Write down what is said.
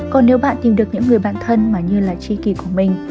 còn nếu bạn tìm được những người bạn thân mà như là tri kỳ của mình